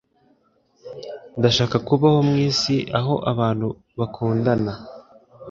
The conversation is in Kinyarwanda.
Ndashaka kubaho mw'isi aho abantu bakundana.